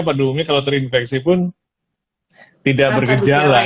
pada umumnya kalau terinfeksi pun tidak bergejala